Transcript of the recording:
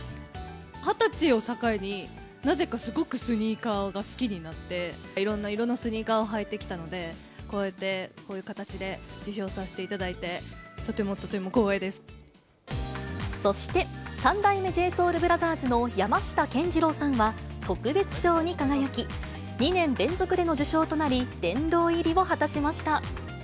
２０歳を境に、なぜか、すごくスニーカーが好きになって、いろんな色のスニーカーを履いてきたので、こうやってこういう形で受賞させていただいて、とてもそして、三代目ＪＳＯＵＬＢＲＯＴＨＥＲＳの山下健二郎さんは特別賞に輝き、２年連続での受賞となり、殿堂入りを果たしました。